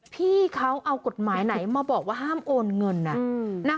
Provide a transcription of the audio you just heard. พี่เขาเอากฎหมายไหนมาบอกว่าห้ามโอนเงิน